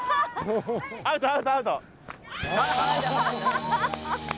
アウトアウトアウト！